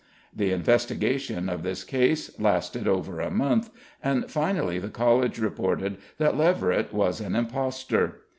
The investigation of this case lasted over a month, and finally the College reported that Leverett was an impostor.